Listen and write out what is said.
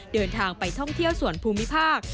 เดินทางไปท่องเที่ยวส่วนภูมิภาค